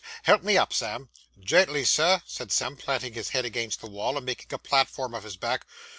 Help me up, Sam.' 'Gently, Sir,' said Sam, planting his head against the wall, and making a platform of his back.